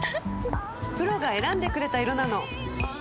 プロが選んでくれた色なの！